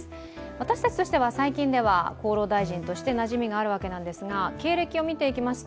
私たちとしては最近では、厚労大臣としてなじみがあるんですが経歴を見ていきます。